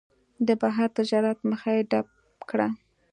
د بهر تجارت مخه یې ډپ کړه.